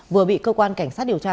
vừa bị cơ quan cảnh sát điều tra